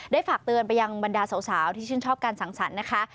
ฝากเตือนไปยังบรรดาสาวที่ชื่นชอบการสังสรรค์นะคะ